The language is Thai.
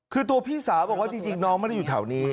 คือตัวพี่สาวบอกว่าจริงน้องไม่ได้อยู่แถวนี้